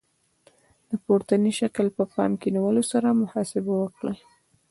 د پورتني شکل په پام کې نیولو سره محاسبه وکړئ.